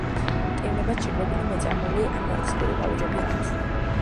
მტევნებად შეკრებილი მეწამული ან ვარდისფერი ყვავილები აქვთ.